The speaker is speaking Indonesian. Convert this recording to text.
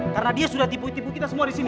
karena dia sudah tipu tipu kita semua disini